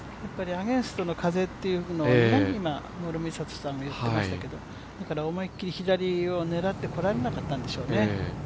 アゲンストの風というのを、今、諸見里さんが言ってましたけどだから、思い切り左を狙ってこられなかったんでしょうね。